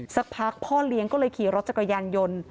สักพักพ่อเลี้ยงก็เลยขี่รถจักรยานยนต์